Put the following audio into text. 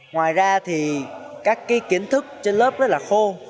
ngoài ra thì các kiến thức trên lớp rất là khô